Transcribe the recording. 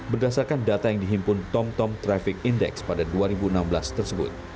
berdasarkan data yang dihimpun tomtom traffic index pada dua ribu enam belas tersebut